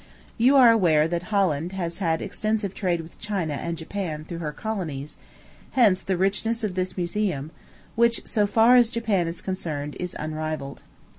You are aware that Holland has had extensive trade with China and Japan, through her colonies; hence the richness of this museum, which, so far as Japan is concerned, is unrivalled.